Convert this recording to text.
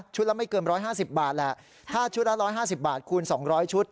ละไม่เกิน๑๕๐บาทแหละถ้าชุดละ๑๕๐บาทคูณ๒๐๐ชุด